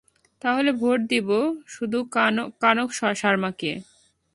তাহলে, ভোট দিবো শুধু কানক শার্মা কে!